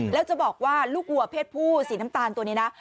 แล้วจะบอกว่าลูกวัวเพศผู้สีน้ำตาลตัวนี้นะ